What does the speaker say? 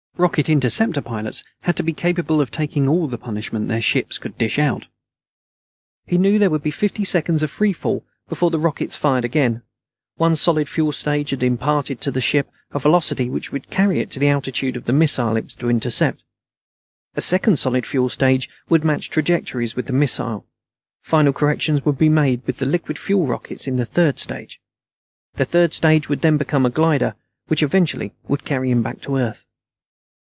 Rocket Interceptor pilots had to be capable of taking all the punishment their ships could dish out. He knew there would be fifty seconds of free fall before the rockets fired again. One solid fuel stage had imparted to the ship a velocity which would carry it to the altitude of the missile it was to intercept. A second solid fuel stage would match trajectories with the missile. Final corrections would be made with the liquid fuel rockets in the third stage. The third stage would then become a glider which eventually would carry him back to Earth.